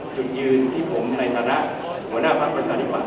จุดยืนที่ผมในฐานะหัวหน้าภักดิ์ประชาธิบัต